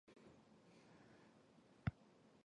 佛罗里达州立大学。